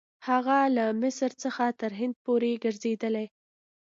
هغه له مصر څخه تر هند پورې ګرځېدلی.